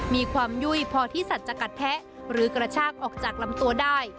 มีความยุ่ยพอที่สัตว์จะกัดแทะหรือกระชากออกจากลำตัวได้